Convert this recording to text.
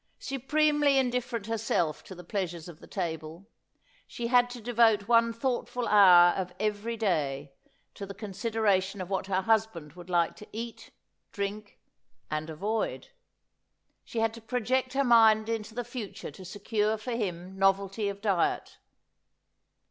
Supremely indifierent herself to the pleasures of the table, she had to devote one thoughtful hour of every day to the consideration of what her husband would like to eat, drink, and avoid. She had to project her mind into the future to secure for him novelty of diet.